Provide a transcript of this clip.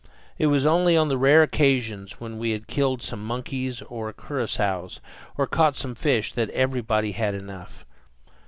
It was only on the rare occasions when we had killed some monkeys or curassows, or caught some fish, that everybody had enough.